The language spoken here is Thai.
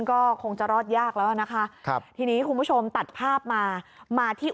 ก็คงจะรอดยากแล้วนะคะครับทีนี้คุณผู้ชมตัดภาพมามาที่